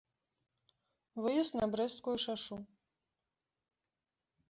Выезд на брэсцкую шашу.